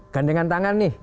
gandengan tangan nih